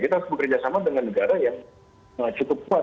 kita harus bekerjasama dengan negara yang cukup kuat